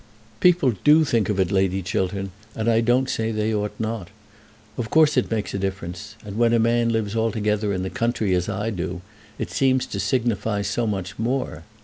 "People do think of it, Lady Chiltern; and I don't say that they ought not. Of course it makes a difference, and when a man lives altogether in the country, as I do, it seems to signify so much more.